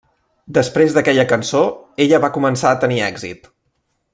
Després d'aquella cançó ella va començar a tenir èxit.